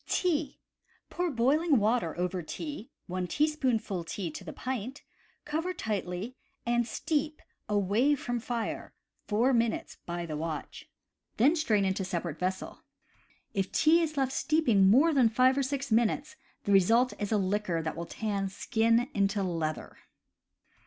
Tea. — Pour boiling water over tea (one teaspoonful tea to the pint), cover tightly, and steep awaij from fire four minutes by the ivatch. Then strain into separate vessel. If tea is left steeping more than five or six minutes the result is a liquor that will tan skin into leather.